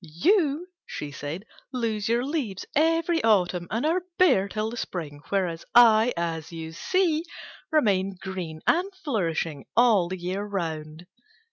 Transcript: "You," she said, "lose your leaves every autumn, and are bare till the spring: whereas I, as you see, remain green and flourishing all the year round."